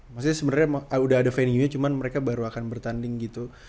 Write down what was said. maksudnya sebenarnya udah ada venue nya cuma mereka baru akan bertanding gitu